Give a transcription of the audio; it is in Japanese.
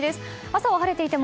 朝は晴れていても